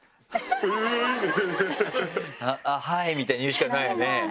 「あっはい」みたいに言うしかないよね。